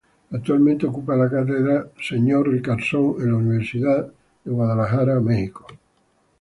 Actualmente ocupa la Cátedra Sid Richardson en la Universidad de Texas en Austin.